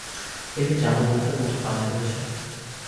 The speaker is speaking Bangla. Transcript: এতে যাদুমন্ত্রের মত কাজ হয়েছে।